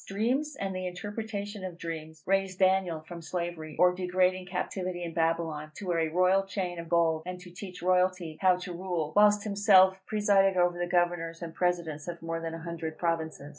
Dreams, and the interpretation of dreams, raised a Daniel from slavery or degrading captivity in Babylon, to wear a royal chain of gold, and to teach royalty how to rule, whilst himself presided over the governors and presidents of more than a hundred provinces.